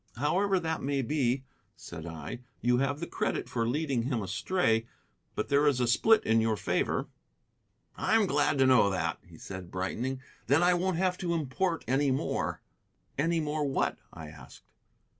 "However that may be," said I, "you have the credit for leading him astray. But there is a split in your favor." "I'm glad to know that," he said, brightening; "then I won't have to import any more." "Any more what?" I asked.